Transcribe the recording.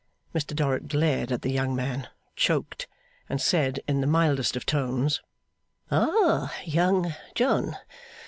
Mr Dorrit glared on the young man, choked, and said, in the mildest of tones, 'Ah! Young John!